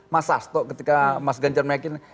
mas sasto ketika mas ganjar meyakin